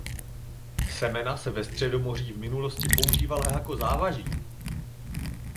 Semena se ve Středomoří v minulosti používala jako závaží.